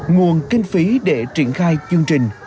nguồn kinh phí để triển khai chương trình